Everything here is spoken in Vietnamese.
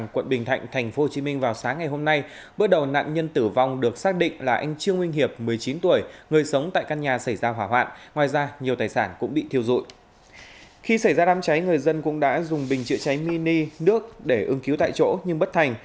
khi xảy ra đám cháy người dân cũng đã dùng bình chữa cháy mini nước để ứng cứu tại chỗ nhưng bất thành